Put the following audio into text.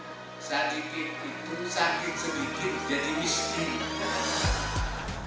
tahu sadikin sadikin itu sakit sedikit jadi miskin